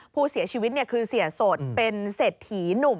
ผู้เสียชีวิตคือเสียสดเป็นเศรษฐีหนุ่ม